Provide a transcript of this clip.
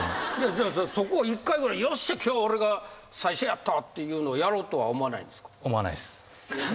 じゃあさそこを１回ぐらい「よっしゃ今日は俺が最初やったわ」っていうのをやろうとは思わないんですか？